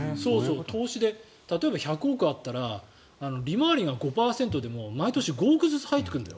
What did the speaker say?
例えば１００億円あったら利回りが５％でも毎年５億ずつ入ってくるんだろ？